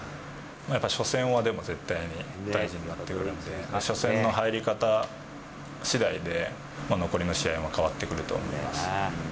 やっぱり初戦は、でも絶対に、大事になってくるんで、初戦の入り方しだいで、残りの試合も変わってくると思います。